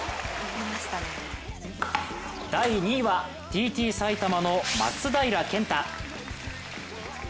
第２位は、Ｔ．Ｔ彩たまの松平健太。